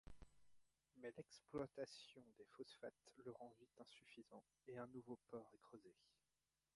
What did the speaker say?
Mais l'exploitation des phosphates le rend vite insuffisant et un nouveau port est creusé.